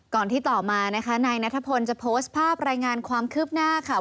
ก่อนที่ต่อมานัทธพลจะโพสต์ภาพรายงานความคืบหน้า